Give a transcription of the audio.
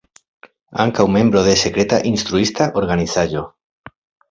Ankaŭ membro de Sekreta Instruista Organizaĵo.